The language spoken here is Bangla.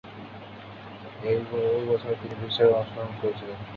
ঐ বছরই তিনি বিশ্বকাপে অংশগ্রহণ করেছিলেন।